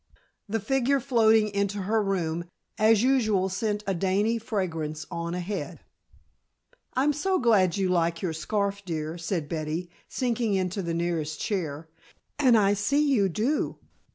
The figure floating into her room, as usual sent a dainty fragrance on ahead. "I'm so glad you like your scarf, dear," said Betty, sinking into the nearest chair, "and I see you do."